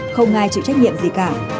không ai chịu trách nhiệm gì cả